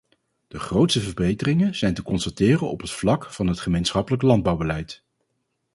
De grootste verbeteringen zijn te constateren op het vlak van het gemeenschappelijk landbouwbeleid.